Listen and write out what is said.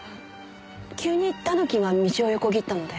急にタヌキが道を横切ったので。